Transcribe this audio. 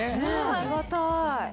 ありがたい。